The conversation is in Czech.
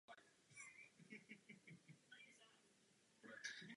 Družstvo Spojených států bylo nasazeno přímo do finálové skupiny.